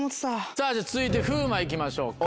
さぁじゃあ続いて風磨行きましょうか。